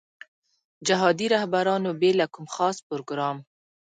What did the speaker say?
جهادي رهبرانو بې له کوم خاص پروګرام.